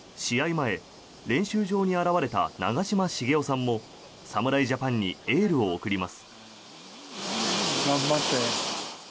前、練習場に現れた長嶋茂雄さんも侍ジャパンにエールを送ります。